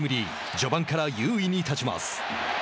序盤から優位に立ちます。